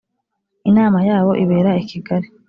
inama yabo ibera i kigali